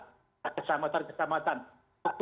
kesahmatan kesahmatan ada kesahmatan kesahmatan